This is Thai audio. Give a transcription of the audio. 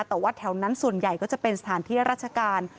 แต่ว่าแถวนั้นส่วนใหญ่ก็จะเป็นสถานที่ราชการ